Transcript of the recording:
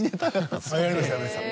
やりましたやりました。